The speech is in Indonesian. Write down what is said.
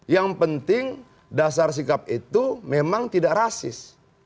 yang penting dasar sikap itu memang tidak rasis